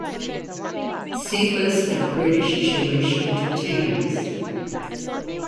"See List of British Jewish entertainers".